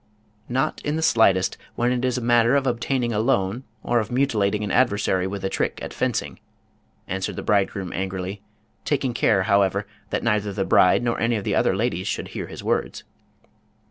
" Not in the slightest, when it is a matter of obtaining a loan, or of mutilating an adversary with a trick at fencing," answered the bridegroom angrily, taking care, however, that neither the bride nor any of the other ladies should hear his words.